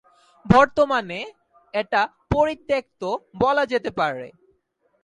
বর্তমানে, এটা পরিত্যক্ত বলা যেতে পারে।